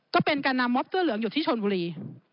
ก็เป็นการนำมอบเสื้อเหลืองอยู่ที่ชนบุรี